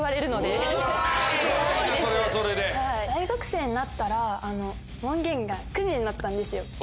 大学生になったら門限が９時になったんですよ。